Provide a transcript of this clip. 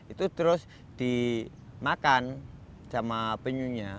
itu terus dimakan sama penyunya